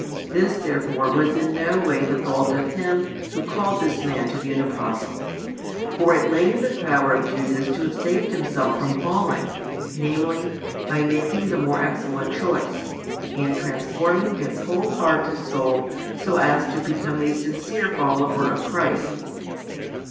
This therefore was in no way the fault of Him Who called this man to be an Apostle. For it lay in the power of Judas to have saved himself from falling, namely, by making the more excellent choice, and transforming his whole heart and soul so as to become a sincere follower of Christ.